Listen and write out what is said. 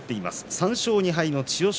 ３勝２敗の千代翔